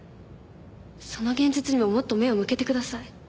その現実にももっと目を向けてください。